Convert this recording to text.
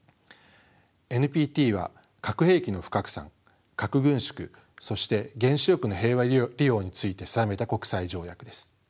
ＮＰＴは核兵器の不拡散核軍縮そして原子力の平和利用について定めた国際条約です。